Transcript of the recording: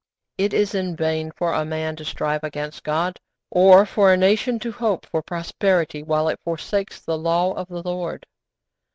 It is in vain for a man to strive against God, or for a nation to hope for prosperity while it forsakes the law of the Lord.